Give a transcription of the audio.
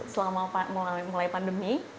selama mulai pandemi